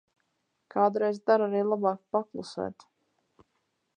Kādreiz der arī labāk paklusēt.